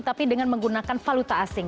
tapi dengan menggunakan valuta asing